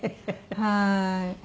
はい。